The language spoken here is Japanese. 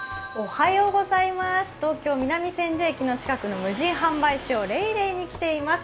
東京・南千住駅の近くの無人販売所、ＲＥＩＲＥＩに来ています。